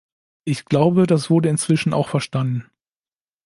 Ich glaube, das wurde inzwischen auch verstanden.